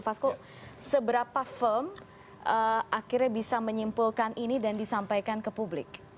fasko seberapa firm akhirnya bisa menyimpulkan ini dan disampaikan ke publik